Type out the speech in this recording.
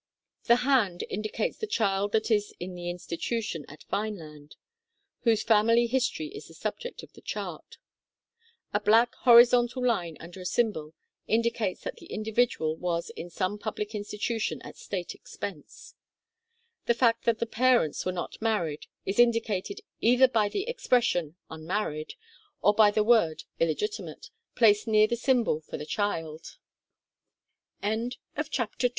The Hand indicates the child that is in the Institu tion at Vineland, whose family history is the subject of the chart. A black horizontal line under a symbol indicates that that individual was in some public institution at state expense. The fact that the parents were not married is indi cated either by the expression "unmarried" or by the word "illegitimate," placed near the symbol for the child. CASPAR. A. 1736. d.